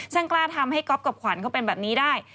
กล้าทำให้ก๊อฟกับขวัญเขาเป็นแบบนี้ได้